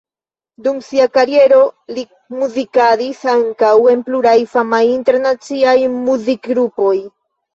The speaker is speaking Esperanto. Dum sia kariero li muzikadis ankaŭ en pluraj famaj internaciaj muzikgrupoj.